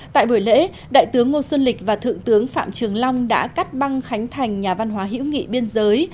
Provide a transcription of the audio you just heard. tại buổi lễ đại tướng ngô xuân lịch và thượng tướng phạm trường long đã cắt băng khánh thành nhà văn hóa hữu nghị biên giới